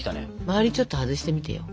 周りちょっと外してみてよ。